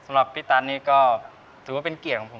สำหรับพี่ตันนี่ก็ถือว่าเป็นเกียรติของผม